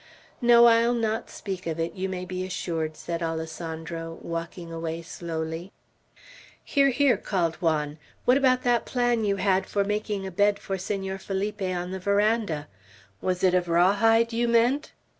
"No, I'll not speak of it, you may be assured," said Alessandro, walking away slowly. "Here! Here!" called Juan. "What about that plan you had for making a bed for Senor Felipe on the verandah Was it of raw hide you meant?"